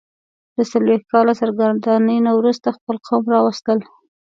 د څلوېښت کاله سرګرانۍ نه وروسته خپل قوم راوستل.